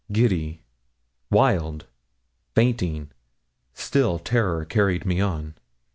Giddy wild fainting still terror carried me on.